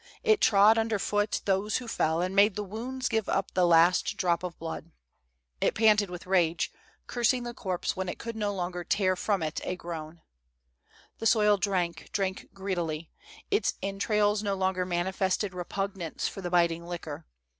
It trod underfoot those who fell, and made the wounds give up the last drop of blood. It panted with rage, cursing the corpse when it could no longer tear fi*om it a groan. 288 THE SOLDIEliS' DREAMS. " The soil drank, drank greedily ; its entrails no longer manifested repugnance for the biting liquor.